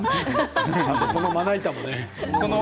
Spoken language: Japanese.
あとこのまな板もね